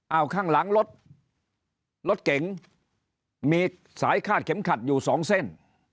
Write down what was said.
เอาข้างหลังรถรถเก๋งมีสายคาดเข็มขัดอยู่สองเส้น